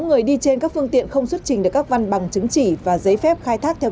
người đi trên các phương tiện không xuất trình được các văn bằng chứng chỉ và giấy phép khai thác theo